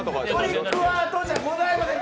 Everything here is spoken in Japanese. トリックアートじゃございません。